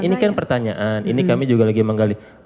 ini kan pertanyaan ini kami juga lagi menggali